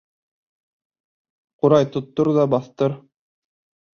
Ҡурай тоттор ҙа баҫтыр.